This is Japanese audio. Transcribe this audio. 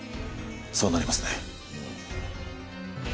そうなりますね。